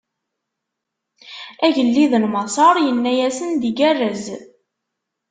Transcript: Agellid n Maṣer inna-asen-d igerrez.